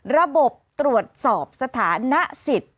ระบบตรวจสอบสถานะสิทธิ์